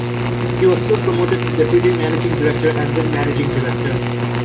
He was soon promoted to Deputy Managing Director and then Managing Director.